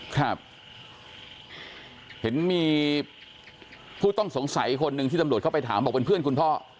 ครับเห็นมีผู้ต้องสงสัยคนหนึ่งที่ตำรวจเข้าไปถามบอกเป็นเพื่อนคุณพ่อ